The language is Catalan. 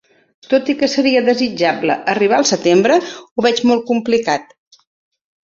Tot i que seria desitjable arribar al setembre, ho veig molt complicat.